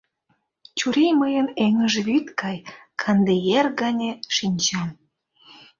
Чурий мыйын эҥыж вӱд гай, Канде ер гане шинчам.